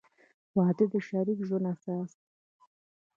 • واده د شریک ژوند اساس دی.